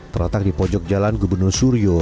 terletak di pojok jalan gubernur suryo